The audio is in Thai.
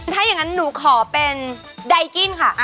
ถ้าอย่างนั้นหนูขอเป็นไดกิ้นค่ะ